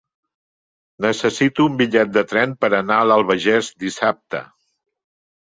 Necessito un bitllet de tren per anar a l'Albagés dissabte.